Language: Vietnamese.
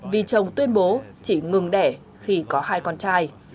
vì chồng tuyên bố chỉ ngừng đẻ khi có hai con trai